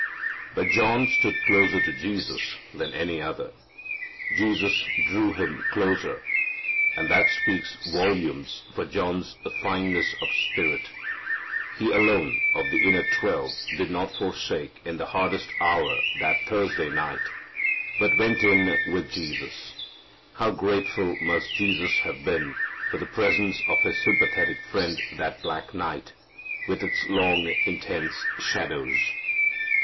But John stood closer to Jesus than any other. Jesus drew him closer. And that speaks volumes for John's fineness of spirit. He alone of the inner twelve did not forsake in the hardest hour that Thursday night, but went in "with Jesus." How grateful must Jesus have been for the presence of His sympathetic friend that black night, with its long intense shadows!